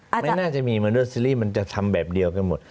ไม่น่าจะมีมาด้วยซีรีส์มันจะทำแบบเดียวกันหมด